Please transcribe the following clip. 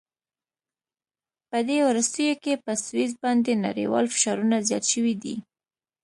په دې وروستیو کې په سویس باندې نړیوال فشارونه زیات شوي دي.